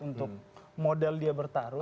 untuk model dia bertarung